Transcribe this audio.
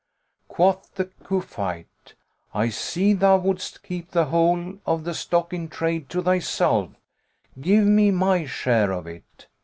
Quoth the Cufite, "I see thou wouldst keep the whole of the stock in trade to thyself; give me my share of it."